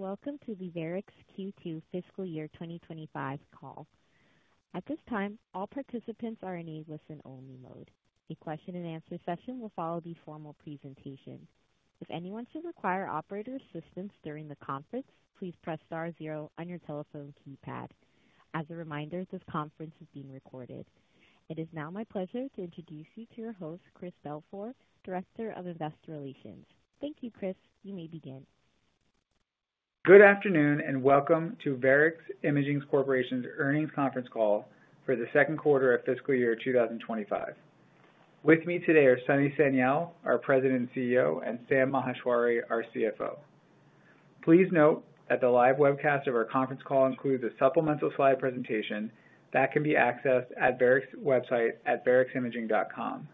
Welcome to the Varex Q2 fiscal year 2025 call. At this time, all participants are in a listen-only mode. A question-and-answer session will follow the formal presentation. If anyone should require operator assistance during the conference, please press star zero on your telephone keypad. As a reminder, this conference is being recorded. It is now my pleasure to introduce you to your host, Chris Belfort, Director of Investor Relations. Thank you, Chris. You may begin. Good afternoon and welcome to Varex Imaging Corporation's earnings conference call for the second quarter of fiscal year 2025. With me today are Sunny Sanyal, our President and CEO, and Sam Maheshwari, our CFO. Please note that the live webcast of our conference call includes a supplemental slide presentation that can be accessed at Varex's website at vareximaging.com.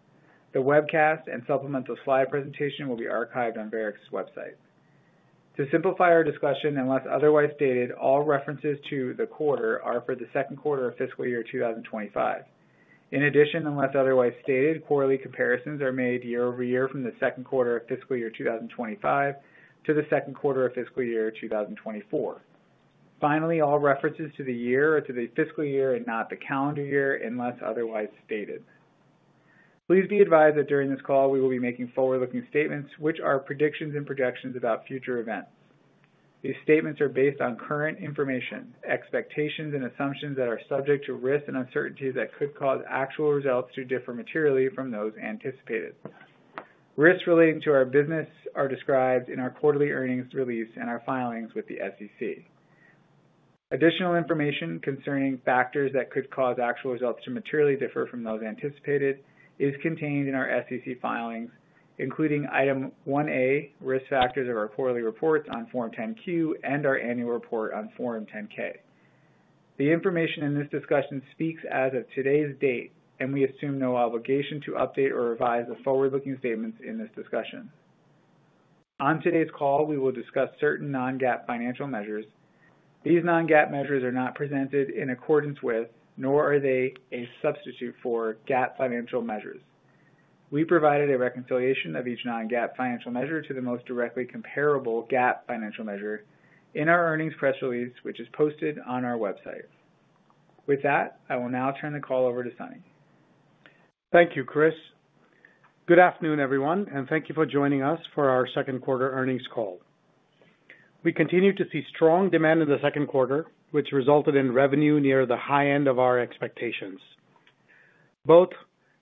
The webcast and supplemental slide presentation will be archived on Varex's website. To simplify our discussion, unless otherwise stated, all references to the quarter are for the second quarter of fiscal year 2025. In addition, unless otherwise stated, quarterly comparisons are made year-over-year from the second quarter of fiscal year 2025 to the second quarter of fiscal year 2024. Finally, all references to the year are to the fiscal year and not the calendar year unless otherwise stated. Please be advised that during this call, we will be making forward-looking statements, which are predictions and projections about future events. These statements are based on current information, expectations, and assumptions that are subject to risk and uncertainty that could cause actual results to differ materially from those anticipated. Risks relating to our business are described in our quarterly earnings release and our filings with the SEC. Additional information concerning factors that could cause actual results to materially differ from those anticipated is contained in our SEC filings, including item 1A, risk factors of our quarterly reports on Form 10-Q and our annual report on Form 10-K. The information in this discussion speaks as of today's date, and we assume no obligation to update or revise the forward-looking statements in this discussion. On today's call, we will discuss certain non-GAAP financial measures. These non-GAAP measures are not presented in accordance with, nor are they a substitute for GAAP financial measures. We provided a reconciliation of each non-GAAP financial measure to the most directly comparable GAAP financial measure in our earnings press release, which is posted on our website. With that, I will now turn the call over to Sunny. Thank you, Chris. Good afternoon, everyone, and thank you for joining us for our second quarter earnings call. We continue to see strong demand in the second quarter, which resulted in revenue near the high end of our expectations. Both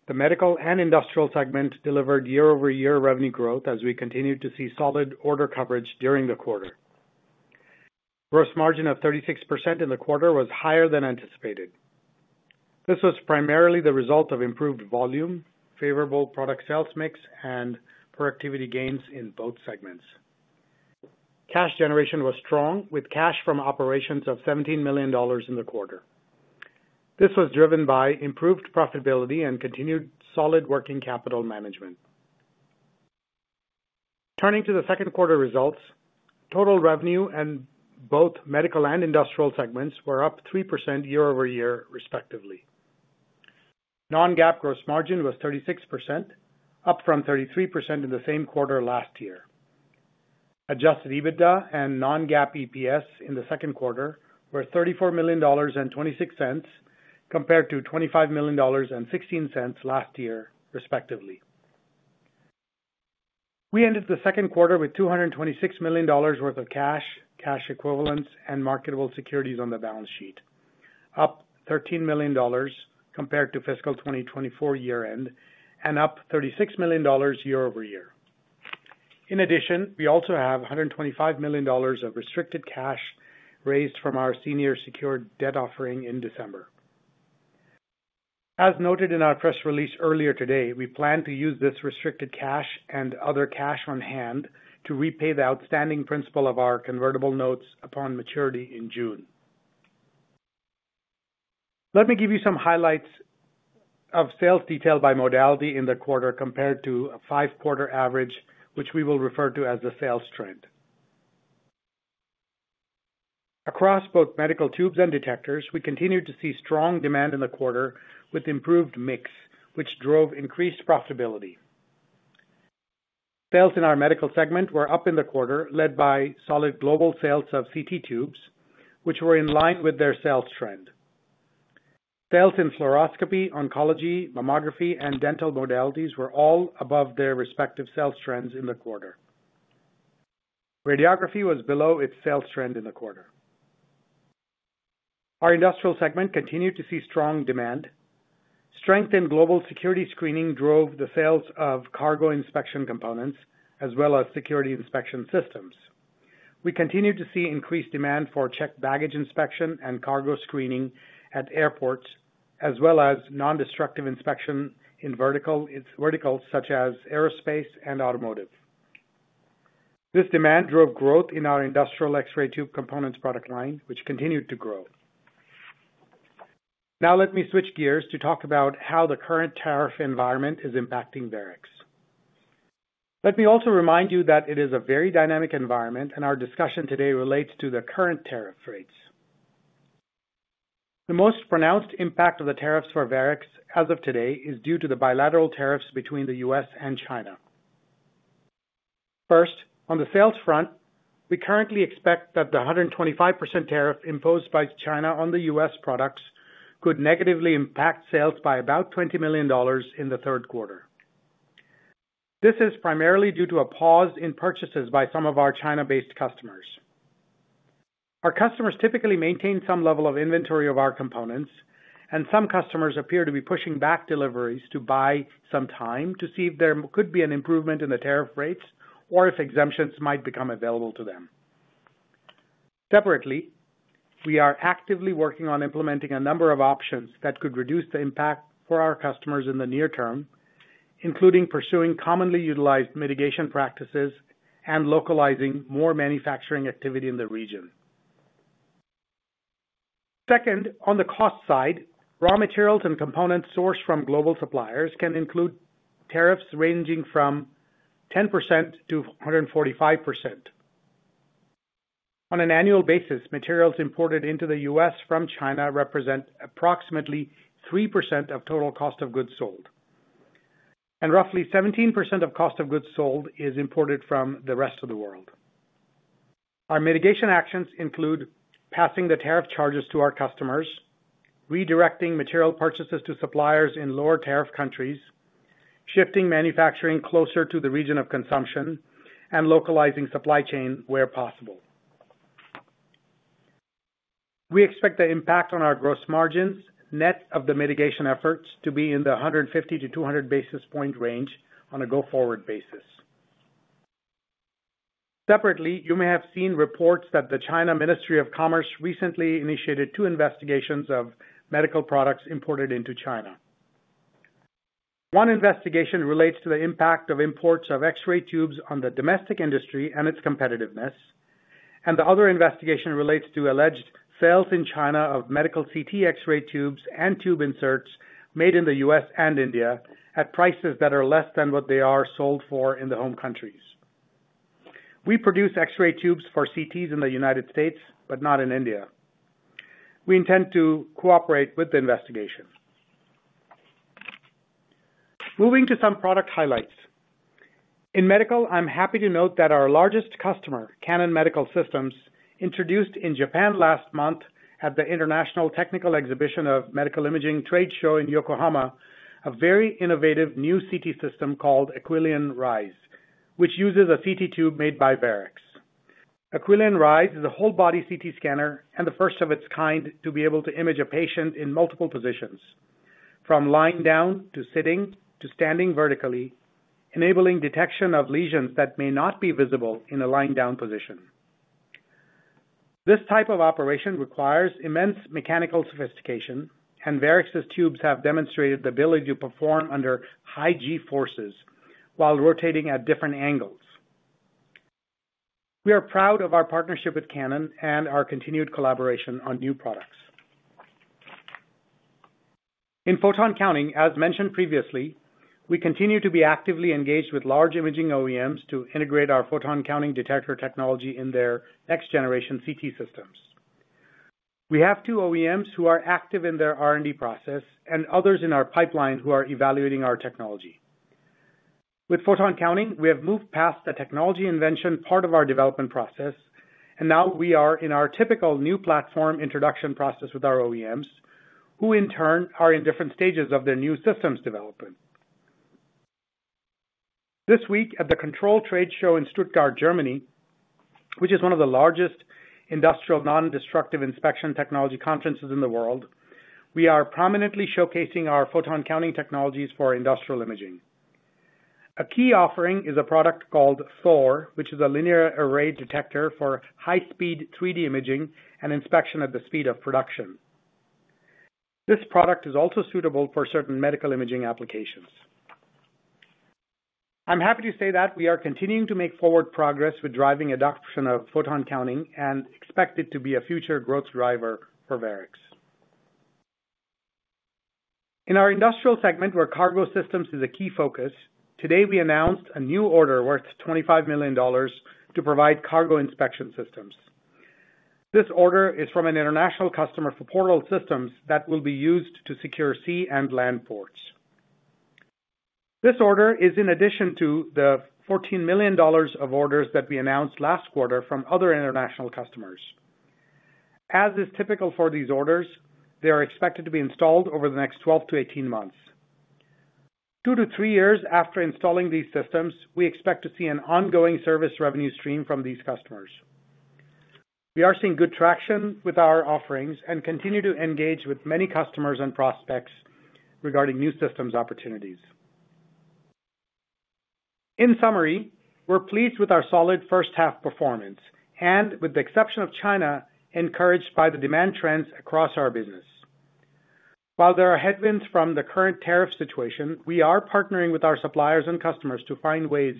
the medical and industrial segment delivered year-over-year revenue growth as we continued to see solid order coverage during the quarter. Gross margin of 36% in the quarter was higher than anticipated. This was primarily the result of improved volume, favorable product sales mix, and productivity gains in both segments. Cash generation was strong, with cash from operations of $17 million in the quarter. This was driven by improved profitability and continued solid working capital management. Turning to the second quarter results, total revenue in both medical and industrial segments were up 3% year-over-year, respectively. Non-GAAP gross margin was 36%, up from 33% in the same quarter last year. Adjusted EBITDA and non-GAAP EPS in the second quarter were $34.26 compared to $25.16 last year, respectively. We ended the second quarter with $226 million worth of cash, cash equivalents, and marketable securities on the balance sheet, up $13 million compared to fiscal 2024 year-end and up $36 million year-over-year. In addition, we also have $125 million of restricted cash raised from our senior secured debt offering in December. As noted in our press release earlier today, we plan to use this restricted cash and other cash on hand to repay the outstanding principal of our convertible notes upon maturity in June. Let me give you some highlights of sales detail by modality in the quarter compared to a five-quarter average, which we will refer to as the sales trend. Across both medical tubes and detectors, we continued to see strong demand in the quarter with improved mix, which drove increased profitability. Sales in our medical segment were up in the quarter, led by solid global sales of CT tubes, which were in line with their sales trend. Sales in fluoroscopy, oncology, mammography, and dental modalities were all above their respective sales trends in the quarter. Radiography was below its sales trend in the quarter. Our industrial segment continued to see strong demand. Strength in global security screening drove the sales of cargo inspection components as well as security inspection systems. We continued to see increased demand for checked baggage inspection and cargo screening at airports, as well as non-destructive inspection in verticals such as aerospace and automotive. This demand drove growth in our industrial X-ray tube components product line, which continued to grow. Now, let me switch gears to talk about how the current tariff environment is impacting Varex. Let me also remind you that it is a very dynamic environment, and our discussion today relates to the current tariff rates. The most pronounced impact of the tariffs for Varex as of today is due to the bilateral tariffs between the U.S. and China. First, on the sales front, we currently expect that the 125% tariff imposed by China on the U.S. products could negatively impact sales by about $20 million in the third quarter. This is primarily due to a pause in purchases by some of our China-based customers. Our customers typically maintain some level of inventory of our components, and some customers appear to be pushing back deliveries to buy some time to see if there could be an improvement in the tariff rates or if exemptions might become available to them. Separately, we are actively working on implementing a number of options that could reduce the impact for our customers in the near term, including pursuing commonly utilized mitigation practices and localizing more manufacturing activity in the region. Second, on the cost side, raw materials and components sourced from global suppliers can include tariffs ranging from 10%-145%. On an annual basis, materials imported into the U.S. from China represent approximately 3% of total cost of goods sold, and roughly 17% of cost of goods sold is imported from the rest of the world. Our mitigation actions include passing the tariff charges to our customers, redirecting material purchases to suppliers in lower tariff countries, shifting manufacturing closer to the region of consumption, and localizing supply chain where possible. We expect the impact on our gross margins net of the mitigation efforts to be in the 150-200 basis point range on a go-forward basis. Separately, you may have seen reports that the China Ministry of Commerce recently initiated two investigations of medical products imported into China. One investigation relates to the impact of imports of X-ray tubes on the domestic industry and its competitiveness, and the other investigation relates to alleged sales in China of medical CT X-ray tubes and tube inserts made in the U.S. and India at prices that are less than what they are sold for in the home countries. We produce X-ray tubes for CTs in the United States, but not in India. We intend to cooperate with the investigation. Moving to some product highlights. In medical, I'm happy to note that our largest customer, Canon Medical Systems, introduced in Japan last month at the International Technical Exhibition of Medical Imaging Trade Show in Yokohama, a very innovative new CT system called Aquilion Rise, which uses a CT tube made by Varex. Aquilion Rise is a whole-body CT scanner and the first of its kind to be able to image a patient in multiple positions, from lying down to sitting to standing vertically, enabling detection of lesions that may not be visible in a lying-down position. This type of operation requires immense mechanical sophistication, and Varex's tubes have demonstrated the ability to perform under high-g forces while rotating at different angles. We are proud of our partnership with Canon and our continued collaboration on new products. In photon counting, as mentioned previously, we continue to be actively engaged with large imaging OEMs to integrate our photon counting detector technology in their next-generation CT systems. We have two OEMs who are active in their R&D process and others in our pipeline who are evaluating our technology. With photon counting, we have moved past the technology invention part of our development process, and now we are in our typical new platform introduction process with our OEMs, who in turn are in different stages of their new systems development. This week at the Control Trade Show in Stuttgart, Germany, which is one of the largest industrial non-destructive inspection technology conferences in the world, we are prominently showcasing our photon counting technologies for industrial imaging. A key offering is a product called Thor, which is a linear array detector for high-speed 3D imaging and inspection at the speed of production. This product is also suitable for certain medical imaging applications. I'm happy to say that we are continuing to make forward progress with driving adoption of photon counting and expect it to be a future growth driver for Varex. In our industrial segment, where cargo systems is a key focus, today we announced a new order worth $25 million to provide cargo inspection systems. This order is from an international customer for portal systems that will be used to secure sea and land ports. This order is in addition to the $14 million of orders that we announced last quarter from other international customers. As is typical for these orders, they are expected to be installed over the next 12-18 months. Two to three years after installing these systems, we expect to see an ongoing service revenue stream from these customers. We are seeing good traction with our offerings and continue to engage with many customers and prospects regarding new systems opportunities. In summary, we're pleased with our solid first-half performance and, with the exception of China, encouraged by the demand trends across our business. While there are headwinds from the current tariff situation, we are partnering with our suppliers and customers to find ways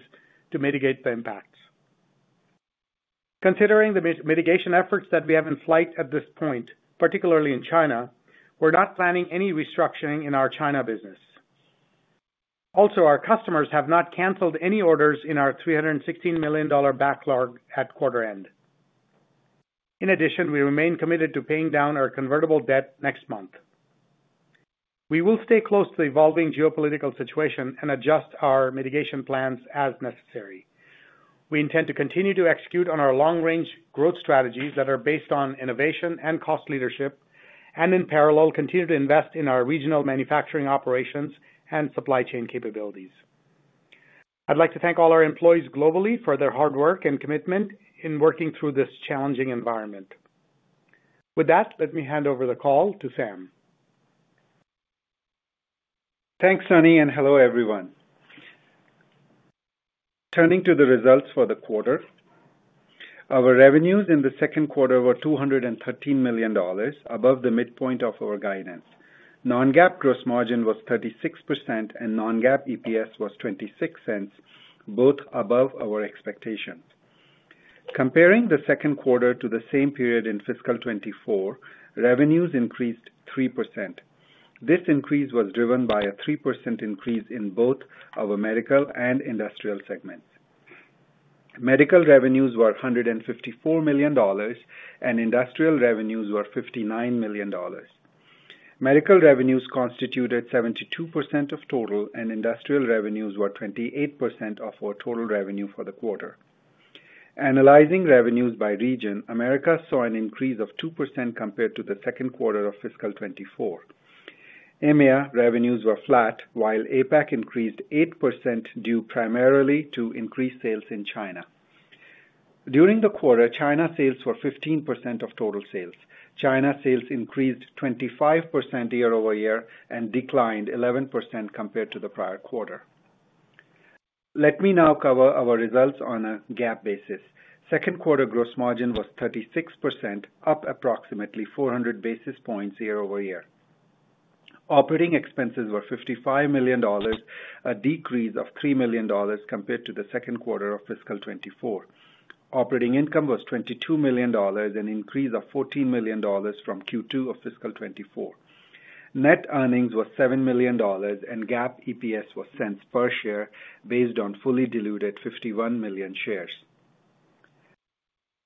to mitigate the impacts. Considering the mitigation efforts that we have in flight at this point, particularly in China, we're not planning any restructuring in our China business. Also, our customers have not canceled any orders in our $316 million backlog at quarter end. In addition, we remain committed to paying down our convertible debt next month. We will stay close to the evolving geopolitical situation and adjust our mitigation plans as necessary. We intend to continue to execute on our long-range growth strategies that are based on innovation and cost leadership, and in parallel, continue to invest in our regional manufacturing operations and supply chain capabilities. I'd like to thank all our employees globally for their hard work and commitment in working through this challenging environment. With that, let me hand over the call to Sam. Thanks, Sunny, and hello, everyone. Turning to the results for the quarter, our revenues in the second quarter were $213 million, above the midpoint of our guidance. Non-GAAP gross margin was 36%, and non-GAAP EPS was 26 cents, both above our expectations. Comparing the second quarter to the same period in fiscal 2024, revenues increased 3%. This increase was driven by a 3% increase in both our medical and industrial segments. Medical revenues were $154 million, and industrial revenues were $59 million. Medical revenues constituted 72% of total, and industrial revenues were 28% of our total revenue for the quarter. Analyzing revenues by region, America saw an increase of 2% compared to the second quarter of fiscal 2024. EMEA revenues were flat, while APAC increased 8% due primarily to increased sales in China. During the quarter, China sales were 15% of total sales. China sales increased 25% year-over-year and declined 11% compared to the prior quarter. Let me now cover our results on a GAAP basis. Second quarter gross margin was 36%, up approximately 400 basis points year-over-year. Operating expenses were $55 million, a decrease of $3 million compared to the second quarter of fiscal 2024. Operating income was $22 million, an increase of $14 million from Q2 of fiscal 2024. Net earnings were $7 million, and GAAP EPS was $0.07 per share based on fully diluted 51 million shares.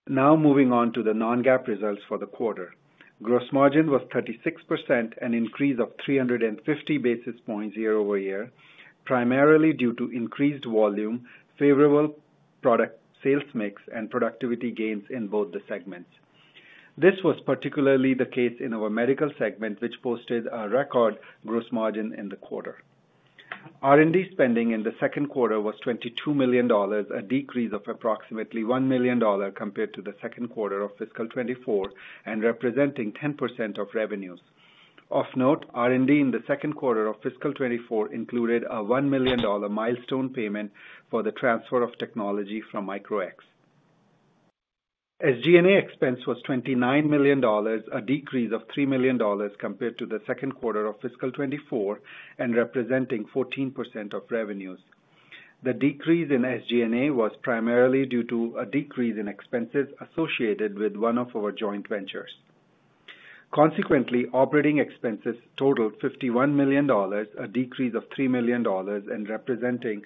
Now moving on to the non-GAAP results for the quarter. Gross margin was 36%, an increase of 350 basis points year-over-year, primarily due to increased volume, favorable product sales mix, and productivity gains in both the segments. This was particularly the case in our medical segment, which posted a record gross margin in the quarter. R&D spending in the second quarter was $22 million, a decrease of approximately $1 million compared to the second quarter of fiscal 2024, and representing 10% of revenues. Of note, R&D in the second quarter of fiscal 2024 included a $1 million milestone payment for the transfer of technology from Micro-X. SG&A expense was $29 million, a decrease of $3 million compared to the second quarter of fiscal 2024, and representing 14% of revenues. The decrease in SG&A was primarily due to a decrease in expenses associated with one of our joint ventures. Consequently, operating expenses totaled $51 million, a decrease of $3 million, and representing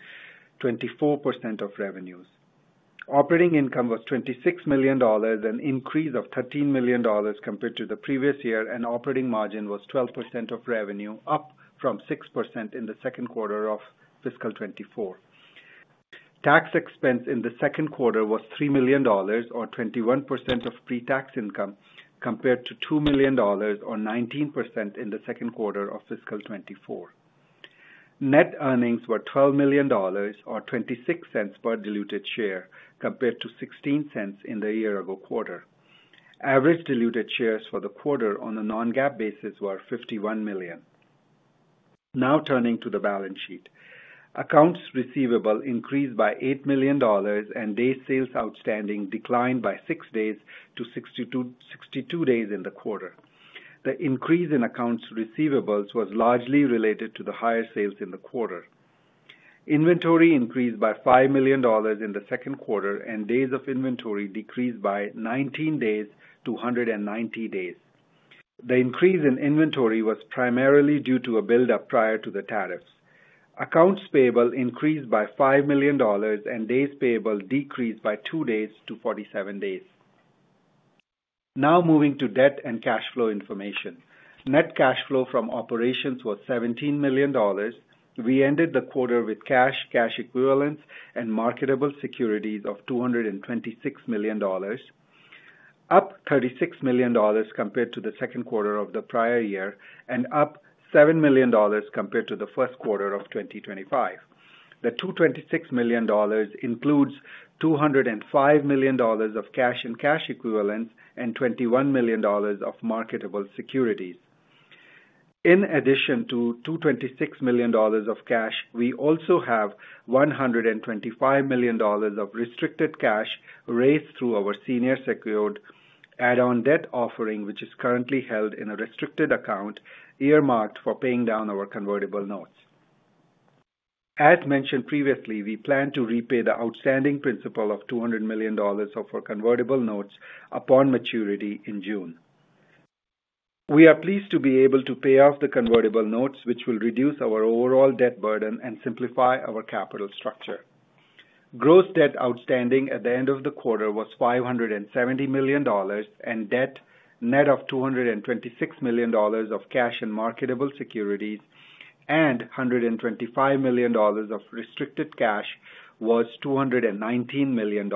24% of revenues. Operating income was $26 million, an increase of $13 million compared to the previous year, and operating margin was 12% of revenue, up from 6% in the second quarter of fiscal 2024. Tax expense in the second quarter was $3 million, or 21% of pre-tax income, compared to $2 million, or 19% in the second quarter of fiscal 2024. Net earnings were $12 million, or 26 cents per diluted share, compared to 16 cents in the year-ago quarter. Average diluted shares for the quarter on a non-GAAP basis were 51 million. Now turning to the balance sheet. Accounts receivable increased by $8 million, and day sales outstanding declined by 6 days-62 days in the quarter. The increase in accounts receivable was largely related to the higher sales in the quarter. Inventory increased by $5 million in the second quarter, and days of inventory decreased by 19 days-190 days. The increase in inventory was primarily due to a build-up prior to the tariffs. Accounts payable increased by $5 million, and days payable decreased by 2 days-47 days. Now moving to debt and cash flow information. Net cash flow from operations was $17 million. We ended the quarter with cash, cash equivalents, and marketable securities of $226 million, up $36 million compared to the second quarter of the prior year, and up $7 million compared to the first quarter of 2025. The $226 million includes $205 million of cash and cash equivalents, and $21 million of marketable securities. In addition to $226 million of cash, we also have $125 million of restricted cash raised through our senior secured add-on debt offering, which is currently held in a restricted account earmarked for paying down our convertible notes. As mentioned previously, we plan to repay the outstanding principal of $200 million of our convertible notes upon maturity in June. We are pleased to be able to pay off the convertible notes, which will reduce our overall debt burden and simplify our capital structure. Gross debt outstanding at the end of the quarter was $570 million, and debt net of $226 million of cash and marketable securities, and $125 million of restricted cash was $219 million.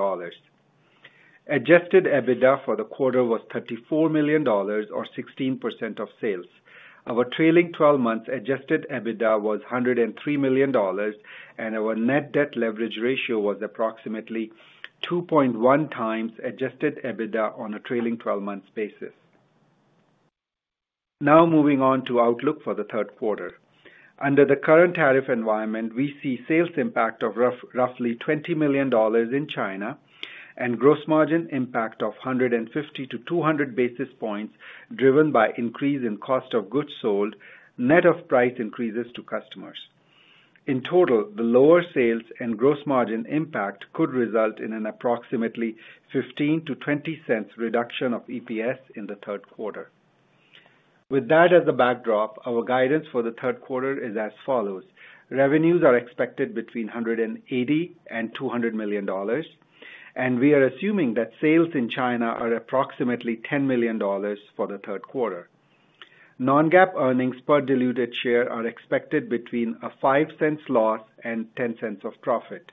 Adjusted EBITDA for the quarter was $34 million, or 16% of sales. Our trailing 12 months adjusted EBITDA was $103 million, and our net debt leverage ratio was approximately 2.1 times adjusted EBITDA on a trailing 12-month basis. Now moving on to outlook for the third quarter. Under the current tariff environment, we see sales impact of roughly $20 million in China and gross margin impact of 150-200 basis points driven by increase in cost of goods sold, net of price increases to customers. In total, the lower sales and gross margin impact could result in an approximately 15-20 cents reduction of EPS in the third quarter. With that as a backdrop, our guidance for the third quarter is as follows. Revenues are expected between $180 and $200 million, and we are assuming that sales in China are approximately $10 million for the third quarter. Non-GAAP earnings per diluted share are expected between a 5 cents loss and 10 cents of profit.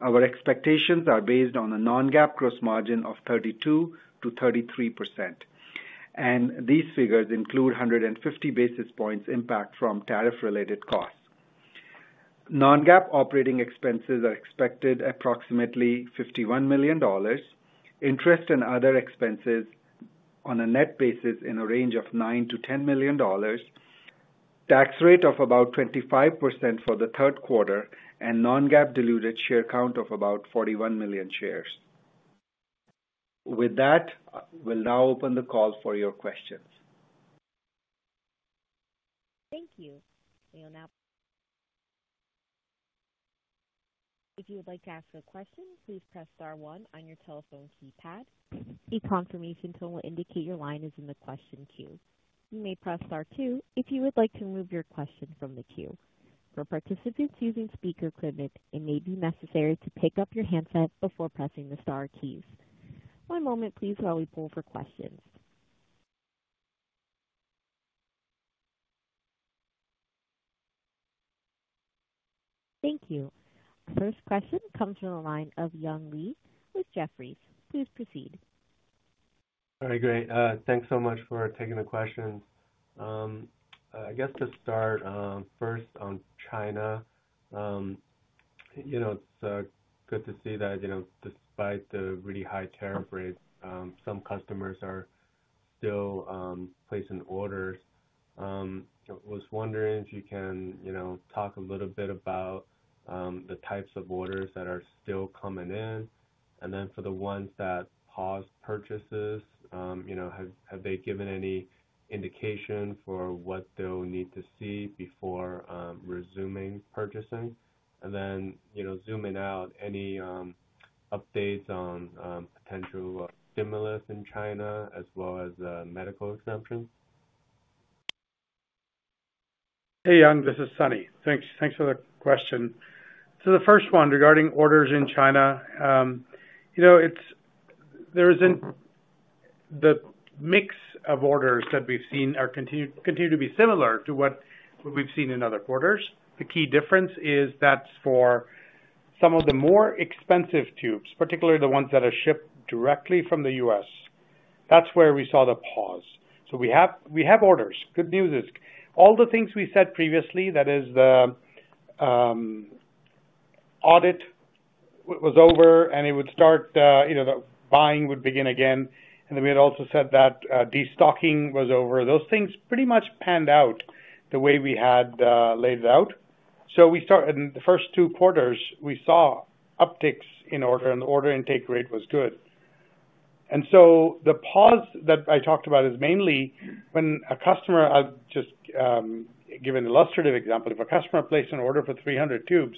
Our expectations are based on a non-GAAP gross margin of 32%-33%, and these figures include 150 basis points impact from tariff-related costs. Non-GAAP operating expenses are expected approximately $51 million, interest and other expenses on a net basis in a range of $9 million-$10 million, tax rate of about 25% for the third quarter, and non-GAAP diluted share count of about 41 million shares. With that, we'll now open the call for your questions. Thank you. We will now. If you would like to ask a question, please press star one on your telephone keypad. A confirmation tone will indicate your line is in the question queue. You may press star two if you would like to remove your question from the queue. For participants using speaker equipment, it may be necessary to pick up your handset before pressing the star keys. One moment, please, while we poll for questions. Thank you. Our first question comes from the line of Young Li with Jefferies. Please proceed. All right, great. Thanks so much for taking the question. I guess to start, first on China, it's good to see that despite the really high tariff rates, some customers are still placing orders. I was wondering if you can talk a little bit about the types of orders that are still coming in, and then for the ones that paused purchases, have they given any indication for what they'll need to see before resuming purchasing? Zooming out, any updates on potential stimulus in China as well as medical exemptions? Hey, Young, this is Sunny. Thanks for the question. The first one regarding orders in China, there is not the mix of orders that we have seen continue to be similar to what we have seen in other quarters. The key difference is that for some of the more expensive tubes, particularly the ones that are shipped directly from the U.S., that is where we saw the pause. We have orders. Good news is all the things we said previously, that is the audit was over, and it would start, the buying would begin again. We had also said that destocking was over. Those things pretty much panned out the way we had laid it out. In the first two quarters, we saw upticks in order, and the order intake rate was good. The pause that I talked about is mainly when a customer, I'll just give an illustrative example. If a customer placed an order for 300 tubes,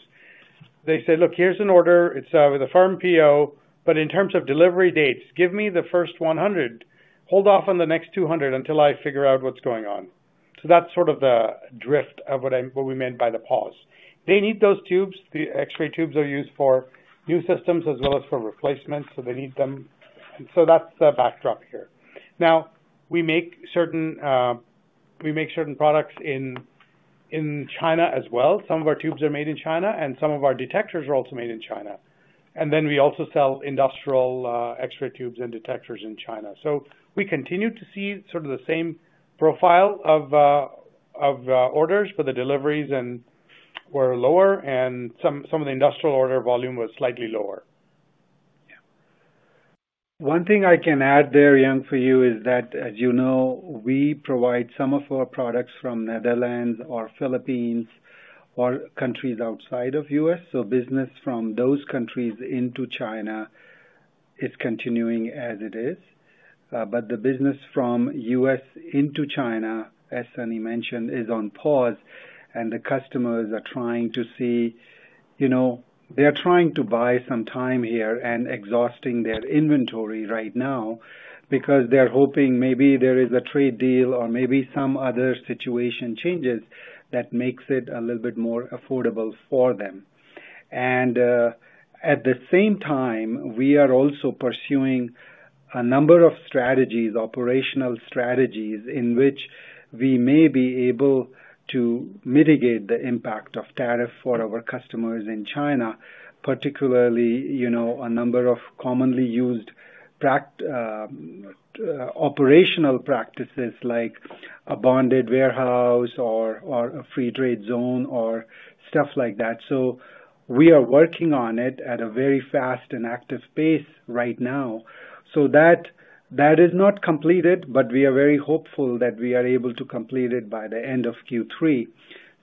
they said, "Look, here's an order. It's with a firm PO, but in terms of delivery dates, give me the first 100. Hold off on the next 200 until I figure out what's going on." That is sort of the drift of what we meant by the pause. They need those tubes. The X-ray tubes are used for new systems as well as for replacements, so they need them. That is the backdrop here. We make certain products in China as well. Some of our tubes are made in China, and some of our detectors are also made in China. We also sell industrial X-ray tubes and detectors in China. We continue to see sort of the same profile of orders, but the deliveries were lower, and some of the industrial order volume was slightly lower. One thing I can add there, Yong, for you is that, as you know, we provide some of our products from Netherlands or Philippines or countries outside of the U.S. Business from those countries into China is continuing as it is. The business from U.S. into China, as Sunny mentioned, is on pause, and the customers are trying to see—they're trying to buy some time here and exhausting their inventory right now because they're hoping maybe there is a trade deal or maybe some other situation changes that makes it a little bit more affordable for them. At the same time, we are also pursuing a number of strategies, operational strategies, in which we may be able to mitigate the impact of tariff for our customers in China, particularly a number of commonly used operational practices like a bonded warehouse or a free trade zone or stuff like that. We are working on it at a very fast and active pace right now. That is not completed, but we are very hopeful that we are able to complete it by the end of Q3.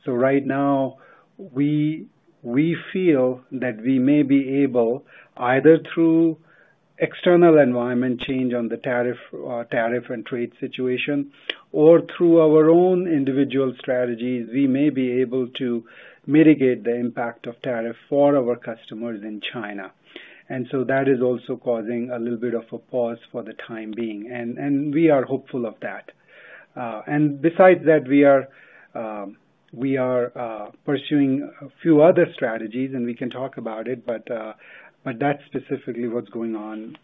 Right now, we feel that we may be able, either through external environment change on the tariff and trade situation or through our own individual strategies, we may be able to mitigate the impact of tariff for our customers in China. That is also causing a little bit of a pause for the time being, and we are hopeful of that. Besides that, we are pursuing a few other strategies, and we can talk about it, but that is specifically what is going on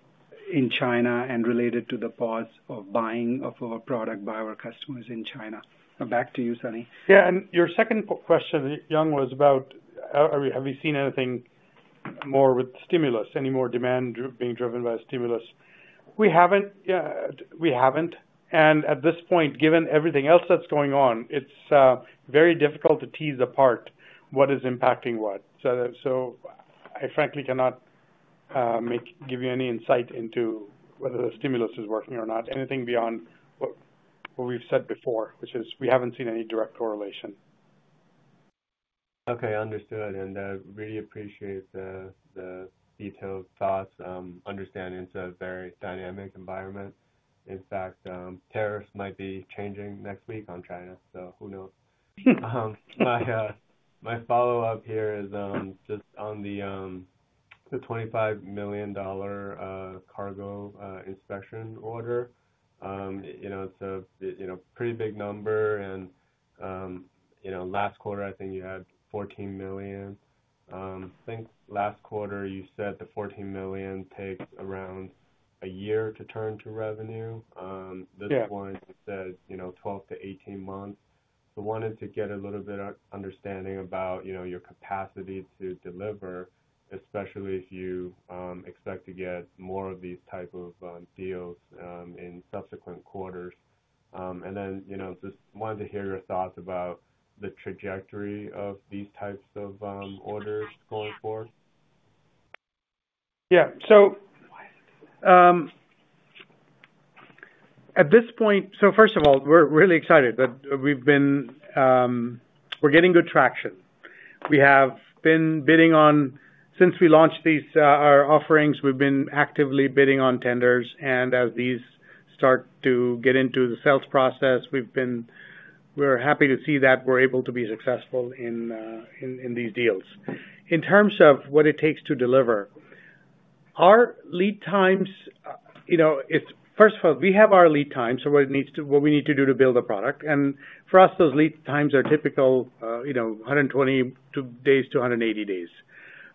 in China and related to the pause of buying of our product by our customers in China. Back to you, Sunny. Yeah. Your second question, Yong, was about, have we seen anything more with stimulus, any more demand being driven by stimulus? We have not. Yeah, we have not. At this point, given everything else that is going on, it is very difficult to tease apart what is impacting what. I frankly cannot give you any insight into whether the stimulus is working or not, anything beyond what we have said before, which is we have not seen any direct correlation. Okay. Understood. I really appreciate the detailed thoughts. Understanding it's a very dynamic environment. In fact, tariffs might be changing next week on China, so who knows? My follow-up here is just on the $25 million cargo inspection order. It's a pretty big number. Last quarter, I think you had $14 million. I think last quarter, you said the $14 million takes around a year to turn to revenue. This one said 12-18 months. I wanted to get a little bit of understanding about your capacity to deliver, especially if you expect to get more of these types of deals in subsequent quarters. I just wanted to hear your thoughts about the trajectory of these types of orders going forward. Yeah. At this point, first of all, we're really excited that we've been getting good traction. We have been bidding on, since we launched these offerings, we've been actively bidding on tenders. As these start to get into the sales process, we're happy to see that we're able to be successful in these deals. In terms of what it takes to deliver, our lead times, first of all, we have our lead times, so what we need to do to build a product. For us, those lead times are typically 120-180 days.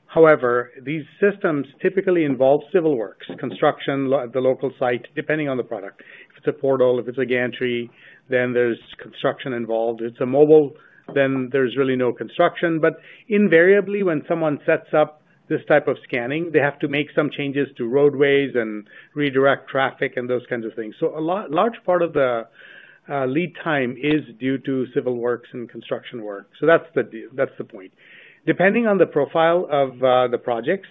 However, these systems typically involve civil works, construction at the local site, depending on the product. If it's a portal, if it's a gantry, then there's construction involved. If it's a mobile, then there's really no construction. But invariably, when someone sets up this type of scanning, they have to make some changes to roadways and redirect traffic and those kinds of things. A large part of the lead time is due to civil works and construction work. That is the point. Depending on the profile of the projects,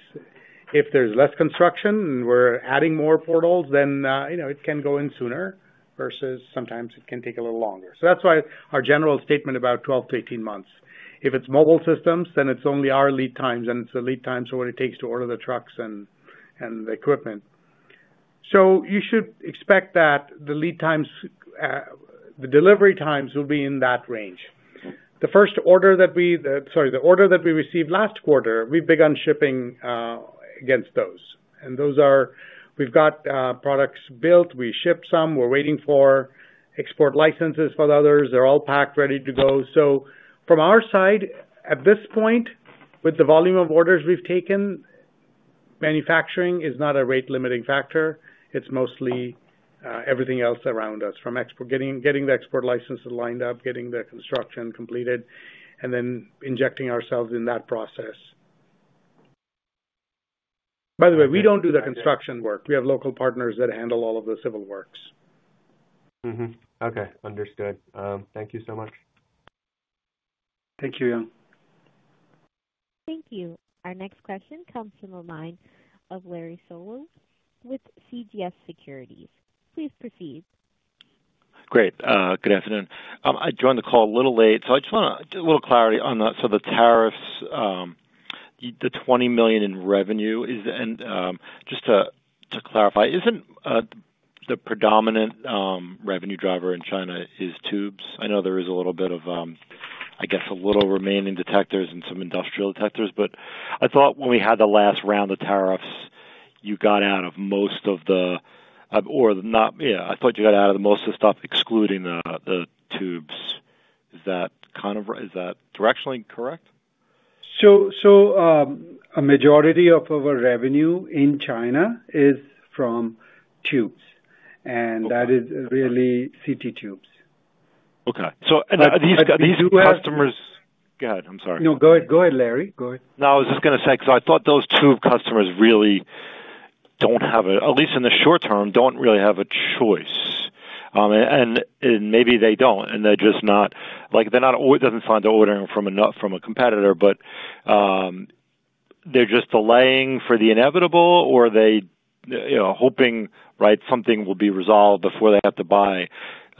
if there is less construction and we are adding more portals, then it can go in sooner versus sometimes it can take a little longer. That is why our general statement about 12-18 months. If it is mobile systems, then it is only our lead times, and it is the lead times for what it takes to order the trucks and the equipment. You should expect that the delivery times will be in that range. The order that we received last quarter, we have begun shipping against those. We have got products built. We shipped some. We're waiting for export licenses for the others. They're all packed, ready to go. From our side, at this point, with the volume of orders we've taken, manufacturing is not a rate-limiting factor. It's mostly everything else around us, from getting the export licenses lined up, getting the construction completed, and then injecting ourselves in that process. By the way, we don't do the construction work. We have local partners that handle all of the civil works. Okay. Understood. Thank you so much. Thank you, Young Li. Thank you. Our next question comes from the line of Larry Solow with CJS Securities. Please proceed. Great. Good afternoon. I joined the call a little late, so I just want a little clarity on that. So the tariffs, the $20 million in revenue, just to clarify, is not the predominant revenue driver in China tubes? I know there is a little bit of, I guess, a little remaining detectors and some industrial detectors, but I thought when we had the last round of tariffs, you got out of most of the—or yeah, I thought you got out of most of the stuff, excluding the tubes. Is that directionally correct? A majority of our revenue in China is from tubes, and that is really CT tubes. Okay. So these customers—go ahead. I'm sorry. No, go ahead, Larry. Go ahead. No, I was just going to say, because I thought those tube customers really do not have a—at least in the short term, do not really have a choice. Maybe they do not, and they are just not—they are not always—does not find the ordering from a competitor, but they are just delaying for the inevitable, or they are hoping something will be resolved before they have to buy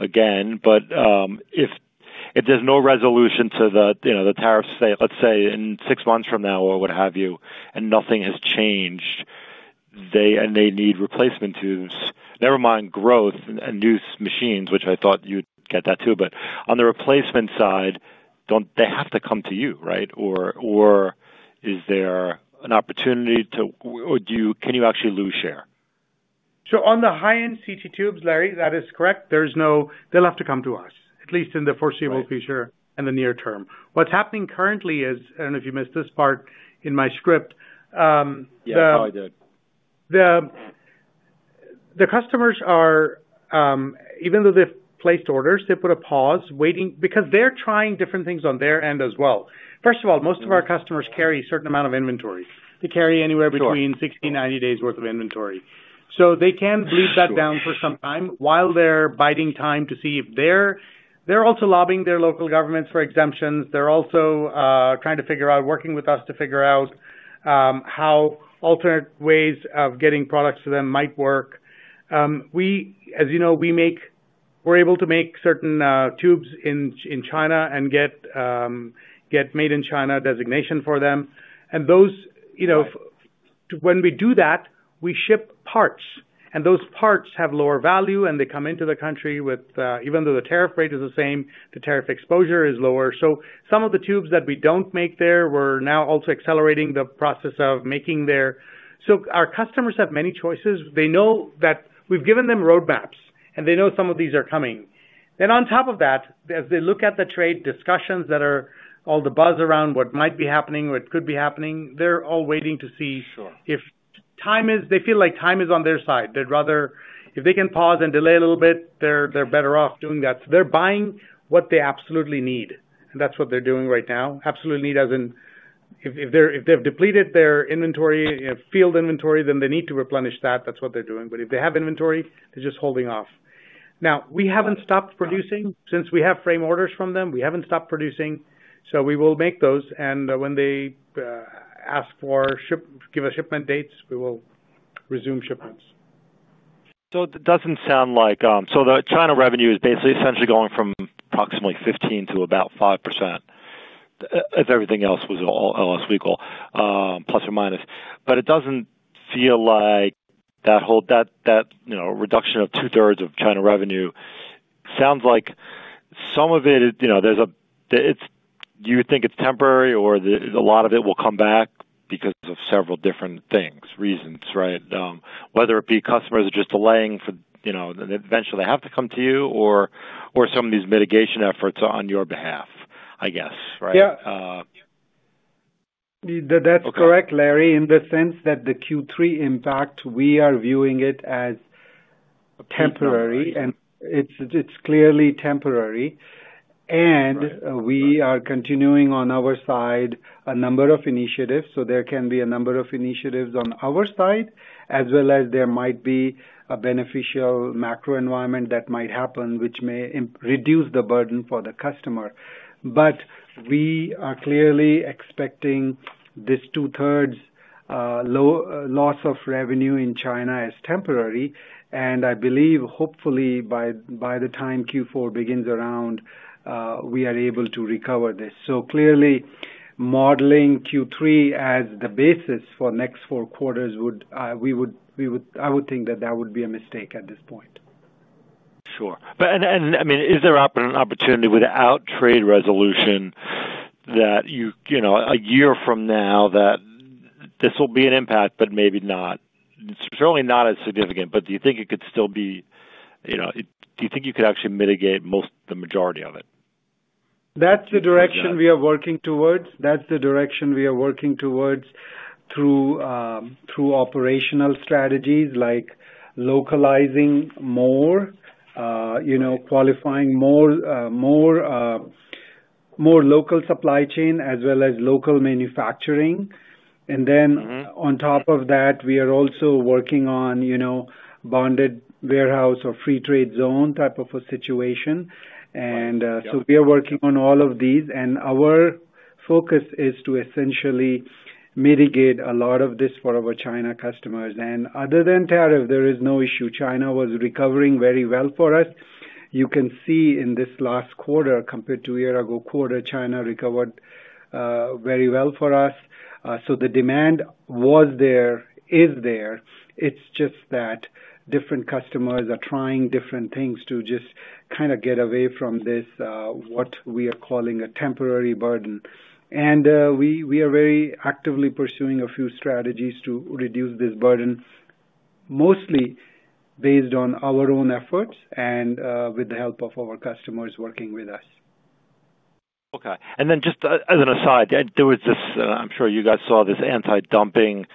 again. If there is no resolution to the tariffs, let us say, in six months from now or what have you, and nothing has changed, and they need replacement tubes, never mind growth and new machines, which I thought you would get that too. On the replacement side, do not they have to come to you, right? Or is there an opportunity to—can you actually lose share? On the high-end CT tubes, Larry, that is correct. They'll have to come to us, at least in the foreseeable future and the near term. What's happening currently is—I don't know if you missed this part in my script. Yeah, I did. The customers, even though they've placed orders, they put a pause because they're trying different things on their end as well. First of all, most of our customers carry a certain amount of inventory. They carry anywhere between 60-90 days' worth of inventory. They can bleed that down for some time while they're biding time to see if they're—they're also lobbying their local governments for exemptions. They're also trying to figure out, working with us to figure out how alternate ways of getting products to them might work. As you know, we're able to make certain tubes in China and get made-in-China designation for them. When we do that, we ship parts. Those parts have lower value, and they come into the country with—even though the tariff rate is the same, the tariff exposure is lower. Some of the tubes that we do not make there, we are now also accelerating the process of making there. Our customers have many choices. They know that we have given them roadmaps, and they know some of these are coming. On top of that, as they look at the trade discussions that are all the buzz around what might be happening, what could be happening, they are all waiting to see if time is—they feel like time is on their side. They would rather, if they can pause and delay a little bit, they are better off doing that. They are buying what they absolutely need, and that is what they are doing right now. Absolutely need as in if they have depleted their inventory, field inventory, then they need to replenish that. That is what they are doing. If they have inventory, they are just holding off. Now, we haven't stopped producing since we have frame orders from them. We haven't stopped producing, so we will make those. When they ask for give us shipment dates, we will resume shipments. It does not sound like the China revenue is basically essentially going from approximately 15% to about 5%, if everything else was all else equal, plus or minus. It does not feel like that reduction of two-thirds of China revenue sounds like some of it, you think it is temporary, or a lot of it will come back because of several different reasons, right? Whether it be customers are just delaying for eventually, they have to come to you, or some of these mitigation efforts on your behalf, I guess, right? Yeah. That's correct, Larry, in the sense that the Q3 impact, we are viewing it as temporary, and it's clearly temporary. We are continuing on our side a number of initiatives. There can be a number of initiatives on our side, as well as there might be a beneficial macro environment that might happen, which may reduce the burden for the customer. We are clearly expecting this two-thirds loss of revenue in China as temporary. I believe, hopefully, by the time Q4 begins around, we are able to recover this. Clearly, modeling Q3 as the basis for next four quarters, we would—I would think that that would be a mistake at this point. Sure. I mean, is there an opportunity without trade resolution that a year from now, this will be an impact, but maybe not? It is certainly not as significant, but do you think it could still be—do you think you could actually mitigate the majority of it? That's the direction we are working towards. That's the direction we are working towards through operational strategies like localizing more, qualifying more local supply chain as well as local manufacturing. On top of that, we are also working on bonded warehouse or free trade zone type of a situation. We are working on all of these. Our focus is to essentially mitigate a lot of this for our China customers. Other than tariff, there is no issue. China was recovering very well for us. You can see in this last quarter, compared to a year ago quarter, China recovered very well for us. The demand was there, is there. It's just that different customers are trying different things to just kind of get away from this, what we are calling a temporary burden. We are very actively pursuing a few strategies to reduce this burden, mostly based on our own efforts and with the help of our customers working with us. Okay. And then just as an aside, there was this—I am sure you guys saw this anti-dumping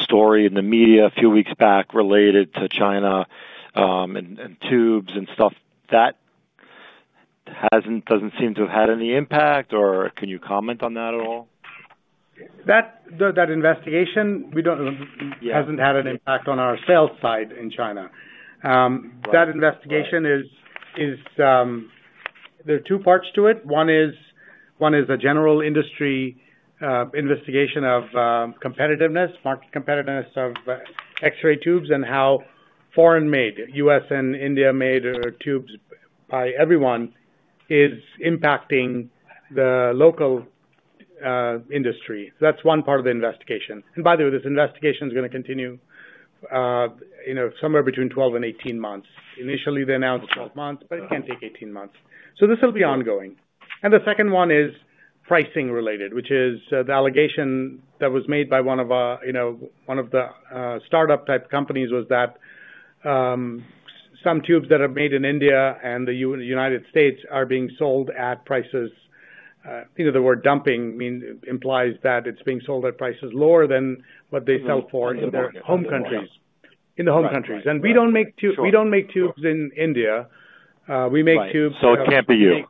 story in the media a few weeks back related to China and tubes and stuff. That does not seem to have had any impact, or can you comment on that at all? That investigation has not had an impact on our sales side in China. That investigation, there are two parts to it. One is a general industry investigation of competitiveness, market competitiveness of X-ray tubes and how foreign-made, U.S. and India-made tubes by everyone is impacting the local industry. That is one part of the investigation. By the way, this investigation is going to continue somewhere between 12 and 18 months. Initially, they announced 12 months, but it can take 18 months. This will be ongoing. The second one is pricing related, which is the allegation that was made by one of the startup-type companies, that some tubes that are made in India and the United States are being sold at prices—the word dumping implies that it is being sold at prices lower than what they sell for in their home countries. In the home countries. We do not make tubes in India. We make tubes in the U.S. It can't be you.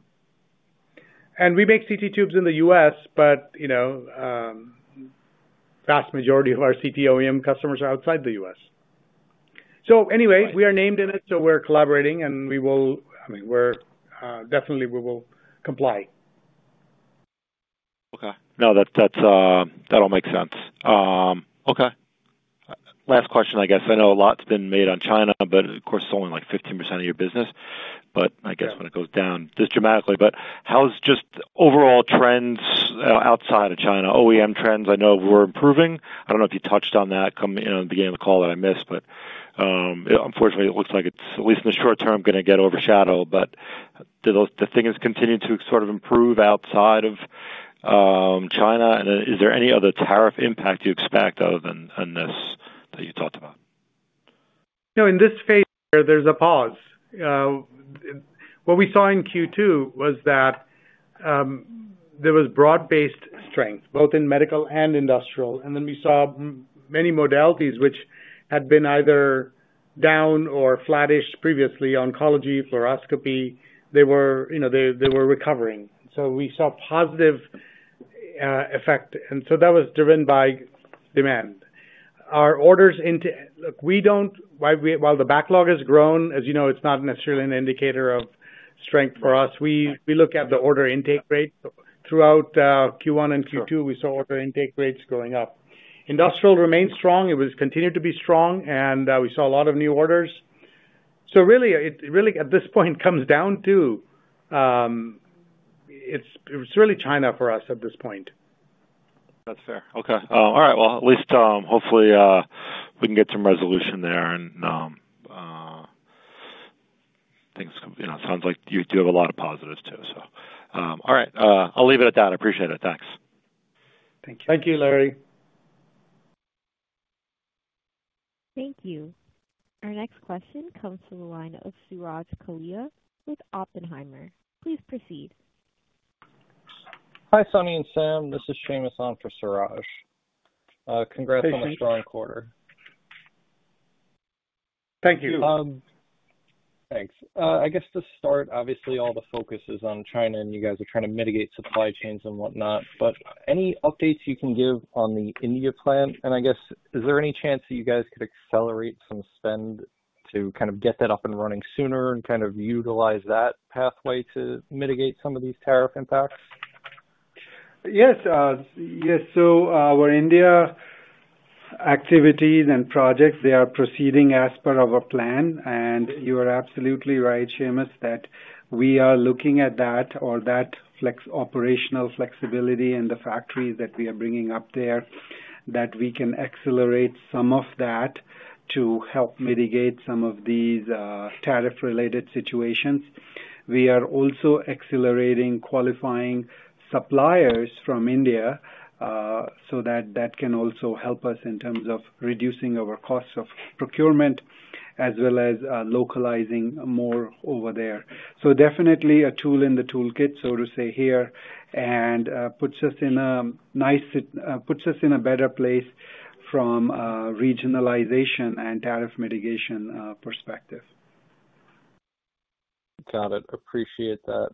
We make CT tubes in the U.S., but the vast majority of our CT OEM customers are outside the U.S. Anyway, we are named in it, so we're collaborating, and we will—I mean, definitely, we will comply. Okay. No, that all makes sense. Okay. Last question, I guess. I know a lot's been made on China, but of course, it's only like 15% of your business. I guess when it goes down, just dramatically. How's just overall trends outside of China? OEM trends, I know we're improving. I don't know if you touched on that in the beginning of the call that I missed, but unfortunately, it looks like it's, at least in the short term, going to get overshadowed. The thing is continuing to sort of improve outside of China. Is there any other tariff impact you expect other than this that you talked about? No, in this phase, there's a pause. What we saw in Q2 was that there was broad-based strength, both in medical and industrial. Then we saw many modalities which had been either down or flattished previously: oncology, fluoroscopy. They were recovering. We saw a positive effect. That was driven by demand. Our orders into—look, while the backlog has grown, as you know, it's not necessarily an indicator of strength for us. We look at the order intake rate. Throughout Q1 and Q2, we saw order intake rates going up. Industrial remained strong. It continued to be strong, and we saw a lot of new orders. At this point, it comes down to it's really China for us at this point. That's fair. Okay. All right. At least hopefully, we can get some resolution there, and things—sounds like you do have a lot of positives too, so. All right. I'll leave it at that. I appreciate it. Thanks. Thank you. Thank you, Larry. Thank you. Our next question comes from the line of Suraj Kalia with Oppenheimer. Please proceed. Hi, Sunny and Sam. This is Seamus on for Suraj. Congrats on a strong quarter. Thank you. Thanks. I guess to start, obviously, all the focus is on China, and you guys are trying to mitigate supply chains and whatnot. Any updates you can give on the India plant? I guess, is there any chance that you guys could accelerate some spend to kind of get that up and running sooner and kind of utilize that pathway to mitigate some of these tariff impacts? Yes. Our India activities and projects, they are proceeding as per our plan. You are absolutely right, Seamus, that we are looking at that operational flexibility in the factories that we are bringing up there, that we can accelerate some of that to help mitigate some of these tariff-related situations. We are also accelerating qualifying suppliers from India so that can also help us in terms of reducing our cost of procurement as well as localizing more over there. Definitely a tool in the toolkit, so to say here, and puts us in a better place from a regionalization and tariff mitigation perspective. Got it. Appreciate that.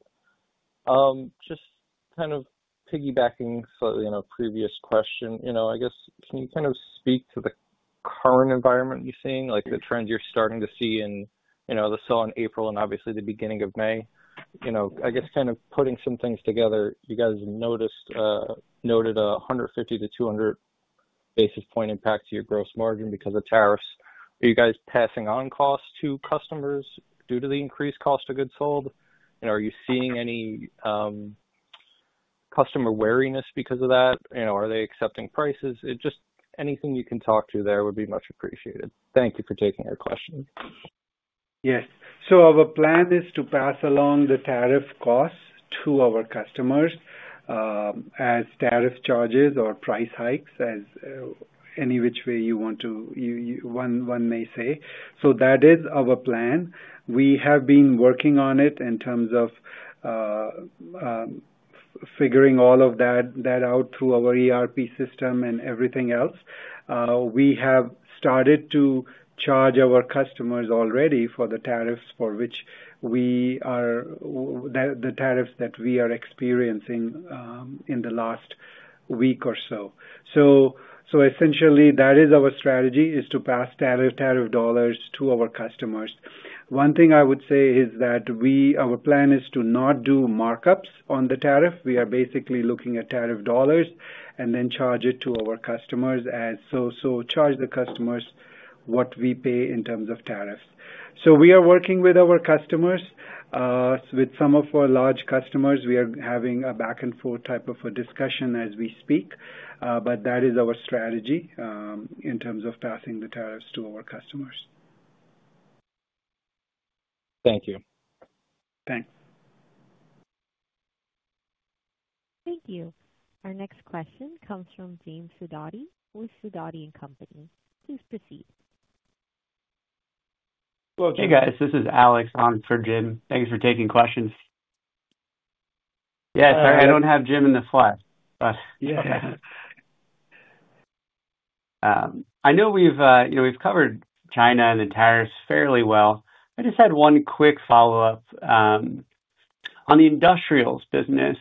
Just kind of piggybacking slightly on a previous question, I guess, can you kind of speak to the current environment you're seeing, like the trends you're starting to see in the sell in April and obviously the beginning of May? I guess kind of putting some things together, you guys noted a 150-200 basis point impact to your gross margin because of tariffs. Are you guys passing on costs to customers due to the increased cost of goods sold? Are you seeing any customer wariness because of that? Are they accepting prices? Just anything you can talk to there would be much appreciated. Thank you for taking our question. Yes. Our plan is to pass along the tariff costs to our customers as tariff charges or price hikes, as any which way you want to—one may say. That is our plan. We have been working on it in terms of figuring all of that out through our ERP system and everything else. We have started to charge our customers already for the tariffs that we are experiencing in the last week or so. Essentially, that is our strategy, to pass tariff dollars to our customers. One thing I would say is that our plan is to not do markups on the tariff. We are basically looking at tariff dollars and then charge it to our customers, charge the customers what we pay in terms of tariffs. We are working with our customers. With some of our large customers, we are having a back-and-forth type of a discussion as we speak. That is our strategy in terms of passing the tariffs to our customers. Thank you. Thanks. Thank you. Our next question comes from Jim Sudati with Sudati & Company. Please proceed. Hey, guys. This is Alex on for Jim. Thanks for taking questions. Yeah, sorry. I don't have Jim in the slide, but. Yeah. I know we've covered China and the tariffs fairly well. I just had one quick follow-up on the industrials business.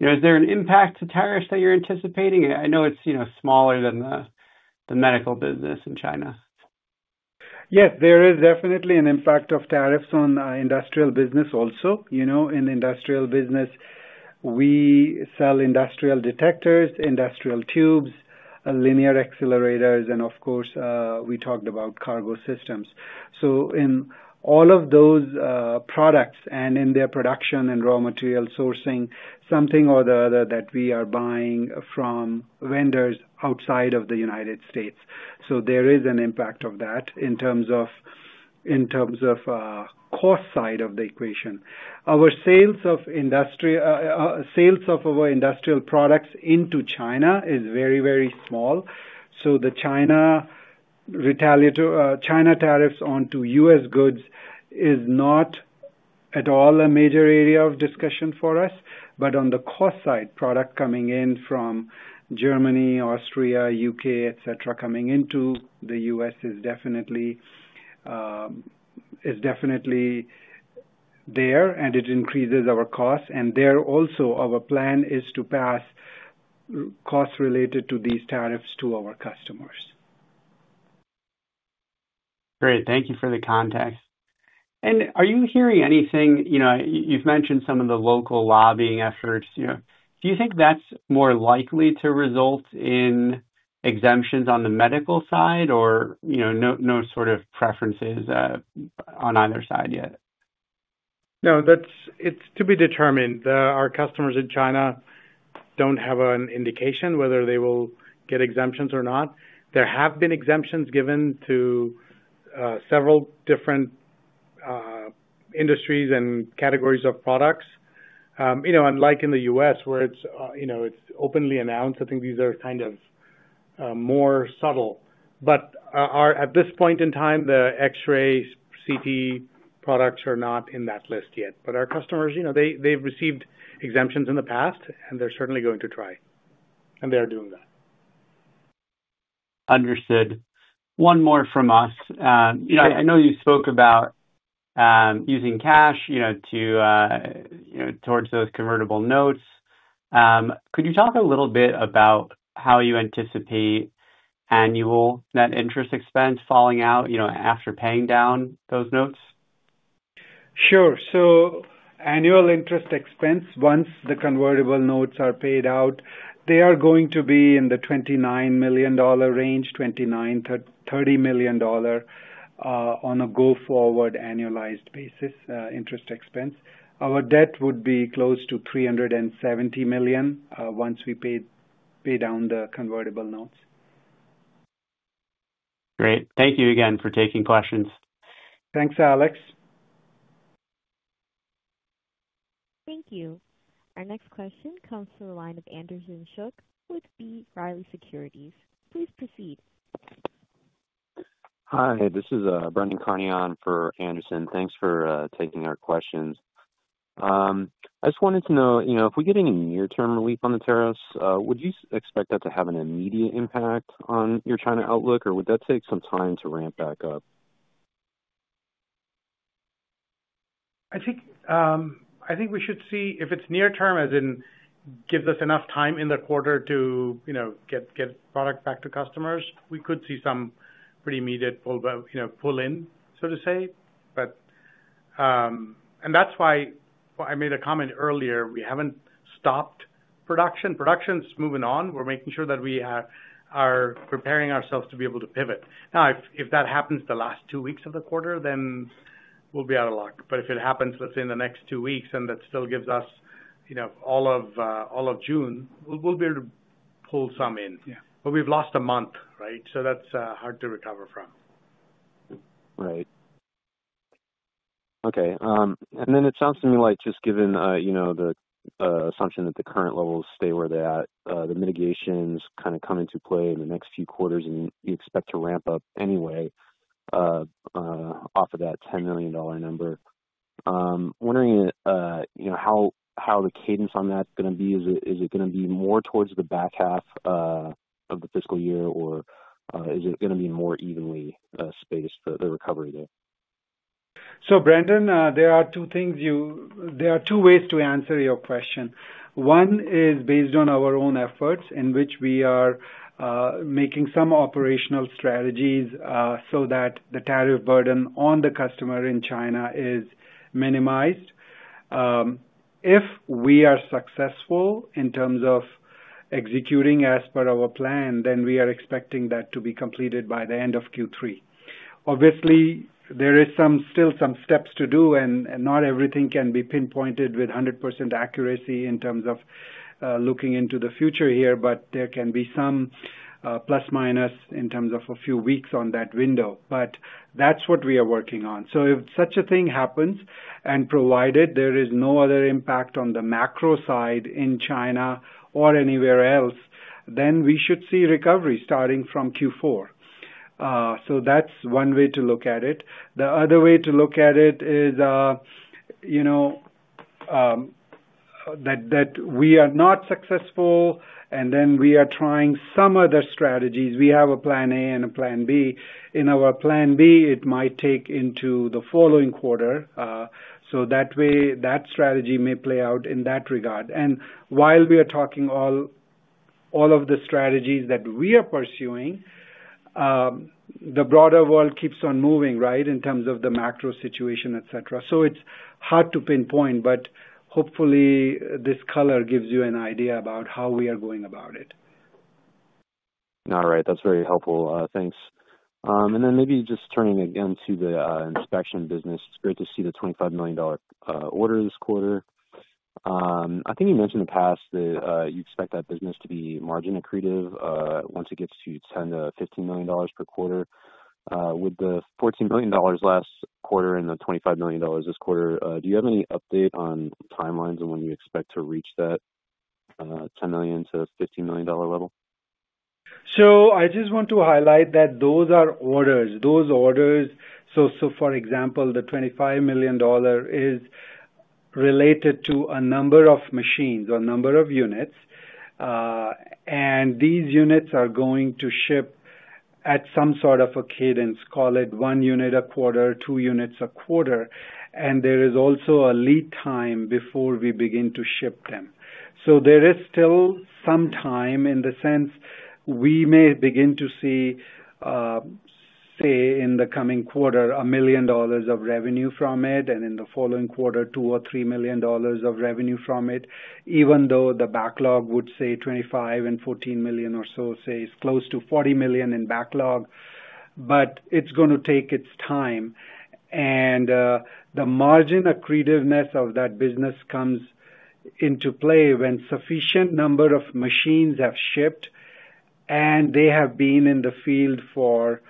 Is there an impact to tariffs that you're anticipating? I know it's smaller than the medical business in China. Yes, there is definitely an impact of tariffs on industrial business also. In the industrial business, we sell industrial detectors, industrial tubes, linear accelerators, and of course, we talked about cargo systems. In all of those products and in their production and raw material sourcing, something or the other that we are buying from vendors outside of the United States. There is an impact of that in terms of cost side of the equation. Our sales of our industrial products into China is very, very small. The China tariffs onto U.S. goods is not at all a major area of discussion for us. On the cost side, product coming in from Germany, Austria, U.K., etc., coming into the U.S. is definitely there, and it increases our costs. There also, our plan is to pass costs related to these tariffs to our customers. Great. Thank you for the context. Are you hearing anything? You have mentioned some of the local lobbying efforts. Do you think that is more likely to result in exemptions on the medical side or no sort of preferences on either side yet? No, it's to be determined. Our customers in China don't have an indication whether they will get exemptions or not. There have been exemptions given to several different industries and categories of products. Unlike in the U.S., where it's openly announced, I think these are kind of more subtle. At this point in time, the X-ray CT products are not in that list yet. Our customers, they've received exemptions in the past, and they're certainly going to try. They're doing that. Understood. One more from us. I know you spoke about using cash towards those convertible notes. Could you talk a little bit about how you anticipate annual net interest expense falling out after paying down those notes? Sure. So annual interest expense, once the convertible notes are paid out, they are going to be in the $29 million range, $29 million-$30 million on a go-forward annualized basis interest expense. Our debt would be close to $370 million once we pay down the convertible notes. Great. Thank you again for taking questions. Thanks, Alex. Thank you. Our next question comes from the line of Anderson and Shuk with B. Riley Securities. Please proceed. Hi. This is Brandon Carney for Anderson. Thanks for taking our questions. I just wanted to know, if we get any near-term relief on the tariffs, would you expect that to have an immediate impact on your China outlook, or would that take some time to ramp back up? I think we should see if it is near-term, as in gives us enough time in the quarter to get product back to customers, we could see some pretty immediate pull-in, so to say. That is why I made a comment earlier. We have not stopped production. Production is moving on. We are making sure that we are preparing ourselves to be able to pivot. Now, if that happens the last two weeks of the quarter, then we will be out of luck. If it happens, let's say, in the next two weeks, and that still gives us all of June, we will be able to pull some in. We have lost a month, right? That is hard to recover from. Right. Okay. It sounds to me like just given the assumption that the current levels stay where they're at, the mitigations kind of come into play in the next few quarters, and you expect to ramp up anyway off of that $10 million number. Wondering how the cadence on that's going to be. Is it going to be more towards the back half of the fiscal year, or is it going to be more evenly spaced, the recovery there? Brendon, there are two things. There are two ways to answer your question. One is based on our own efforts in which we are making some operational strategies so that the tariff burden on the customer in China is minimized. If we are successful in terms of executing as per our plan, then we are expecting that to be completed by the end of Q3. Obviously, there are still some steps to do, and not everything can be pinpointed with 100% accuracy in terms of looking into the future here, but there can be some plus-minus in terms of a few weeks on that window. That is what we are working on. If such a thing happens, and provided there is no other impact on the macro side in China or anywhere else, then we should see recovery starting from Q4. That is one way to look at it. The other way to look at it is that we are not successful, and then we are trying some other strategies. We have a plan A and a plan B. In our plan B, it might take into the following quarter. That way, that strategy may play out in that regard. While we are talking all of the strategies that we are pursuing, the broader world keeps on moving, right, in terms of the macro situation, etc. It is hard to pinpoint, but hopefully, this color gives you an idea about how we are going about it. All right. That's very helpful. Thanks. Maybe just turning again to the inspection business, it's great to see the $25 million order this quarter. I think you mentioned in the past that you expect that business to be margin accretive once it gets to $10 million-$15 million per quarter. With the $14 million last quarter and the $25 million this quarter, do you have any update on timelines and when you expect to reach that $10-$15 million level? I just want to highlight that those are orders. For example, the $25 million is related to a number of machines or a number of units. These units are going to ship at some sort of a cadence, call it one unit a quarter, two units a quarter. There is also a lead time before we begin to ship them. There is still some time in the sense we may begin to see, say, in the coming quarter, $1 million of revenue from it, and in the following quarter, $2 million or $3 million of revenue from it, even though the backlog would say $25 million and $14 million or so, say, is close to $40 million in backlog. It is going to take its time. The margin accretiveness of that business comes into play when a sufficient number of machines have shipped, and they have been in the field for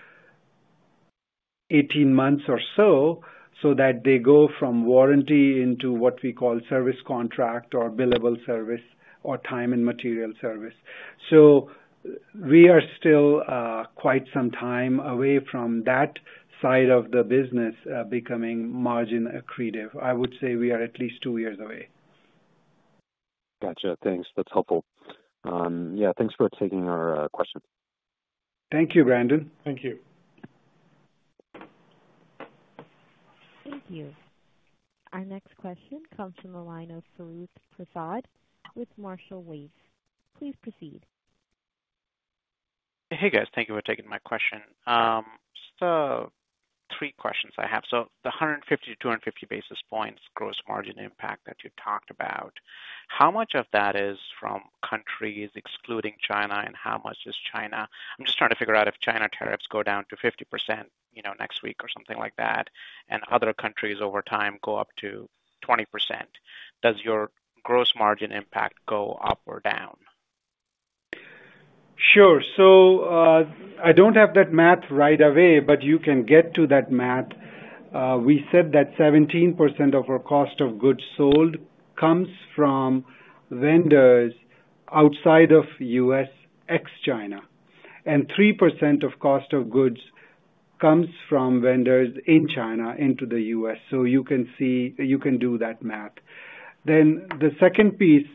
18 months or so, so that they go from warranty into what we call service contract or billable service or time and material service. We are still quite some time away from that side of the business becoming margin accretive. I would say we are at least two years away. Gotcha. Thanks. That's helpful. Yeah. Thanks for taking our question. Thank you, Brandon. Thank you. Thank you. Our next question comes from the line of Faruk Prasad with Marshall Wave. Please proceed. Hey, guys. Thank you for taking my question. Three questions I have. The 150-250 basis points gross margin impact that you talked about, how much of that is from countries excluding China, and how much is China? I'm just trying to figure out if China tariffs go down to 50% next week or something like that, and other countries over time go up to 20%. Does your gross margin impact go up or down? Sure. I do not have that math right away, but you can get to that math. We said that 17% of our cost of goods sold comes from vendors outside of the U.S. ex-China, and 3% of cost of goods comes from vendors in China into the U.S. You can do that math. The second piece,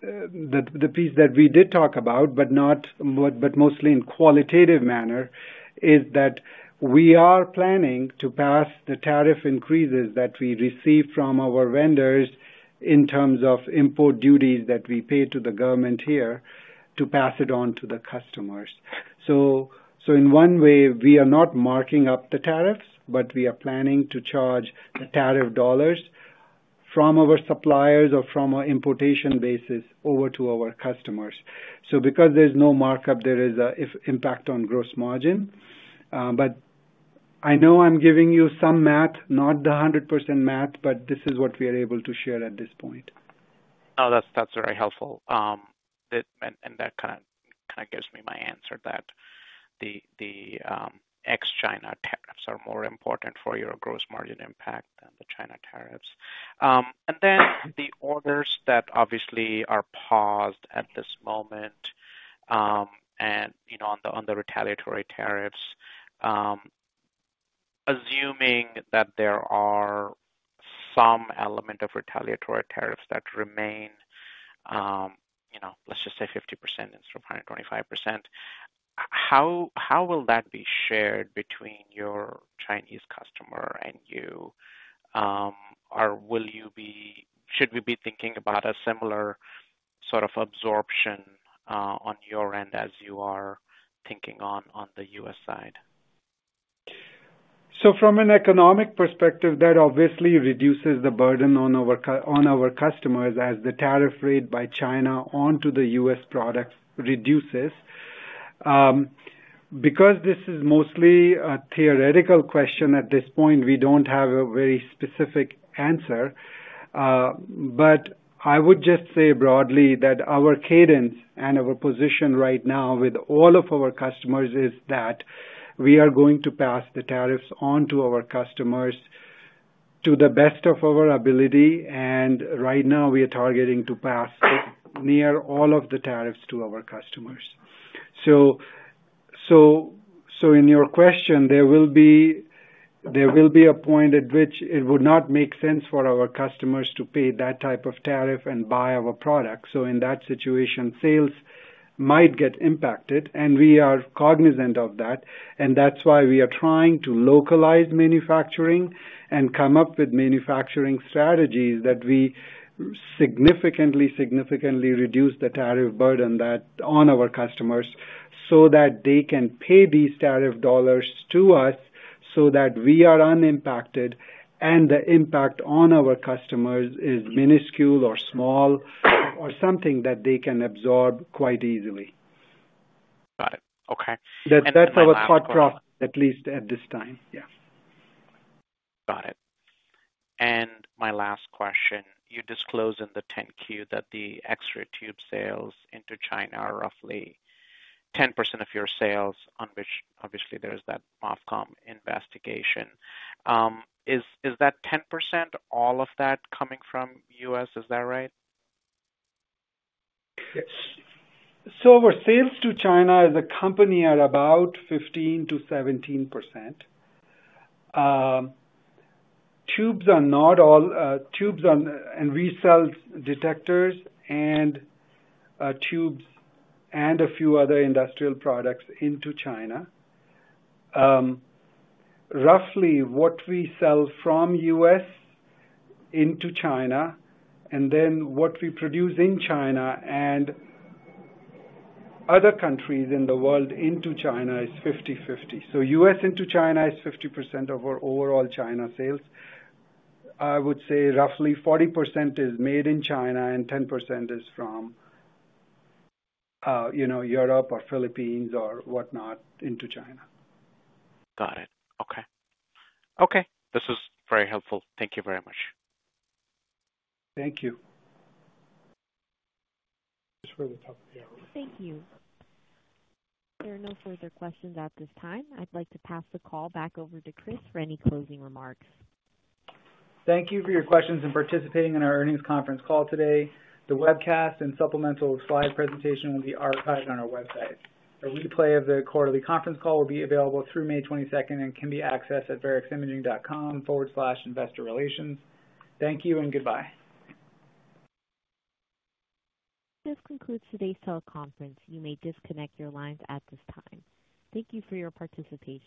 the piece that we did talk about, but mostly in a qualitative manner, is that we are planning to pass the tariff increases that we receive from our vendors in terms of import duties that we pay to the government here to pass it on to the customers. In one way, we are not marking up the tariffs, but we are planning to charge the tariff dollars from our suppliers or from our importation basis over to our customers. Because there is no markup, there is an impact on gross margin. I know I'm giving you some math, not the 100% math, but this is what we are able to share at this point. Oh, that's very helpful. That kind of gives me my answer that the ex-China tariffs are more important for your gross margin impact than the China tariffs. The orders that obviously are paused at this moment and on the retaliatory tariffs, assuming that there are some element of retaliatory tariffs that remain, let's just say 50% instead of 125%, how will that be shared between your Chinese customer and you, or should we be thinking about a similar sort of absorption on your end as you are thinking on the U.S. side? From an economic perspective, that obviously reduces the burden on our customers as the tariff rate by China onto the U.S. products reduces. Because this is mostly a theoretical question at this point, we do not have a very specific answer. I would just say broadly that our cadence and our position right now with all of our customers is that we are going to pass the tariffs on to our customers to the best of our ability. Right now, we are targeting to pass near all of the tariffs to our customers. In your question, there will be a point at which it would not make sense for our customers to pay that type of tariff and buy our products. In that situation, sales might get impacted, and we are cognizant of that. That is why we are trying to localize manufacturing and come up with manufacturing strategies that we significantly, significantly reduce the tariff burden on our customers so that they can pay these tariff dollars to us so that we are unimpacted and the impact on our customers is minuscule or small or something that they can absorb quite easily. Got it. Okay. That's our thought process, at least at this time. Yeah. Got it. My last question. You disclose in the 10-Q that the X-ray tube sales into China are roughly 10% of your sales, on which obviously there is that MAVCOM investigation. Is that 10% all of that coming from the U.S.? Is that right? Our sales to China as a company are about 15% to 17%. Tubes are not all tubes and we sell detectors and tubes and a few other industrial products into China. Roughly, what we sell from the U.S. into China and then what we produce in China and other countries in the world into China is 50/50. U.S. into China is 50% of our overall China sales. I would say roughly 40% is made in China and 10% is from Europe or Philippines or whatnot into China. Got it. Okay. Okay. This was very helpful. Thank you very much. Thank you. Just for the top of the hour. Thank you. There are no further questions at this time. I'd like to pass the call back over to Chris for any closing remarks. Thank you for your questions and participating in our earnings conference call today. The webcast and supplemental slide presentation will be archived on our website. A replay of the quarterly conference call will be available through May 22 and can be accessed at vareximaging.com/investorrelations. Thank you and goodbye. This concludes today's teleconference. You may disconnect your lines at this time. Thank you for your participation.